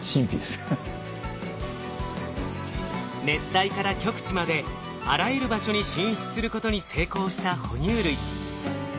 熱帯から極地まであらゆる場所に進出することに成功した哺乳類。